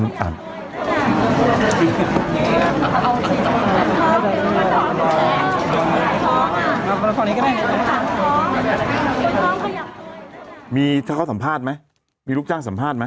ทำงานครบ๒๐ปีได้เงินชดเฉยเลิกจ้างไม่น้อยกว่า๔๐๐วัน